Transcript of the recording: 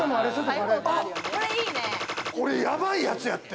これ、やばいやつやって。